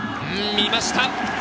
見ました。